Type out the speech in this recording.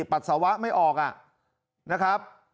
ปัสสาวะไม่ออกนะครับ